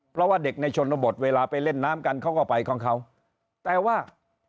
เพราะว่าเด็กในชนบทเวลาไปเล่นน้ำกันเขาก็ไปของเขาแต่ว่า